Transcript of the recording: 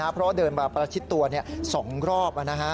เพราะเดินมาประชิดตัว๒รอบ